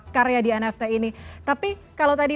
karya di nft ini tapi kalau tadi